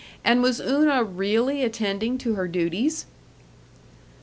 And was Una really attending to her duties?